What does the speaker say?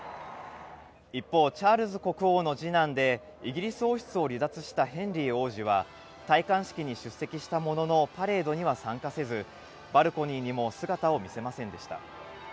一方、チャールズ国王の次男で、イギリス王室を離脱したヘンリー王子は、戴冠式に出席したもののパレードには参加せず、バルコニーにも姿を見せませんでした。